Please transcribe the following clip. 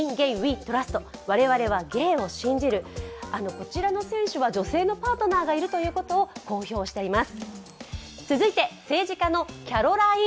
こちらの選手は女性のパートナーがいるということを公表しています。